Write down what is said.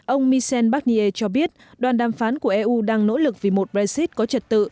ông michel barnier cho biết đoàn đàm phán của eu đang nỗ lực vì một brexit có trật tự